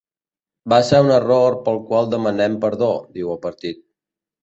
Va ser un error pel qual demanem perdó, diu el partit.